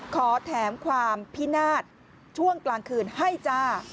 ขอแถมความพินาศช่วงกลางคืนให้จ้า